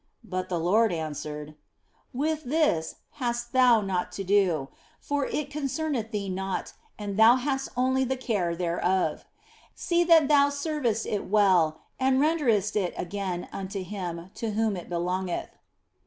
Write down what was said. But the Lord answered, " With this hast thou naught to do, for it concerneth thee not and thou hast only the care thereof. See that thou servest it well and renderest it again unto Him to whom it belongeth."